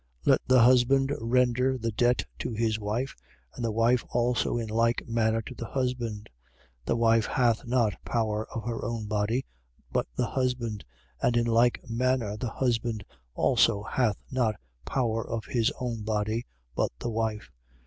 Let the husband render the debt to his wife: and the wife also in like manner to the husband. 7:4. The wife hath not power of her own body: but the husband. And in like manner the husband also hath not power of his own body: but the wife.